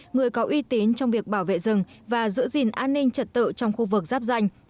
người có uy tín trong việc bảo vệ rừng và giữ gìn an ninh trật tự trong khu vực giáp danh